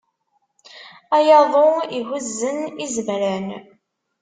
A yaḍu ihuzzen izemran.